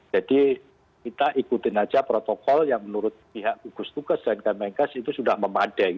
jadi kita ikutin saja protokol yang menurut pihak kugus tukes dan kmnk itu sudah memadai